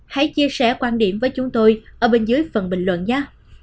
hãy chia sẻ quan điểm với chúng tôi ở bên dưới phần bình luận giá